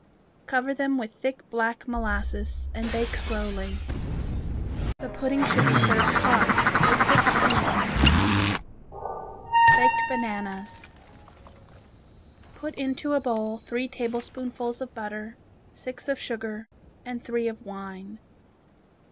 Cover them with thick black molasses and bake slowly. The pudding should be served hot, with thick cream. Baked Bananas Put into a bowl three tablespoonfuls of butter, six of sugar, and three of wine.